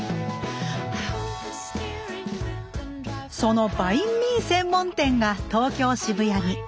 そのバインミー専門店が東京・渋谷に。